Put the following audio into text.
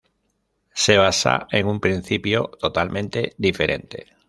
Se basa en un principio totalmente diferente.